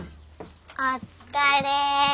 お疲れ。